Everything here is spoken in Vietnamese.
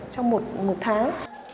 trong một tháng